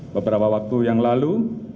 beberapa waktu yang lalu